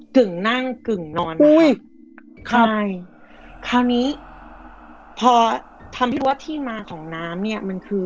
กึ่งนั่งกึ่งนอนอุ้ยครับใช่คราวนี้พอทำที่ว่าที่มาของน้ำเนี้ยมันคือ